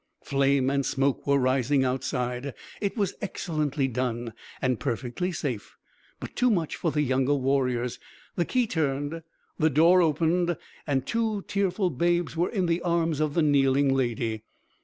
Flame and smoke were rising outside. It was excellently done and perfectly safe, but too much for the younger warriors. The key turned, the door opened, and two tearful babes were in the arms of the kneeling Lady.